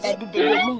aduh dia mung